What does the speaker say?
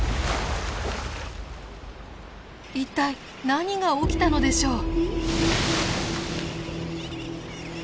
一体何が起きたのでしょう？